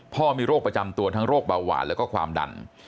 พ่อมีโรคประจำตัวทั้งโรคเบาหวานแล้วก็ความดัน